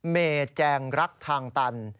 เมแจงรักทางตัน